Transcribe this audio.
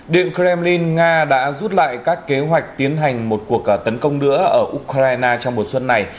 điện kremlin nga đã rút lại các kế hoạch tiến hành một cuộc tấn công nữa ở ukraine trong mùa xuân này